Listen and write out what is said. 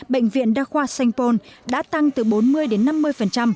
bệnh viện đa khoa sanh pôn đã tăng từ bốn mươi đến năm mươi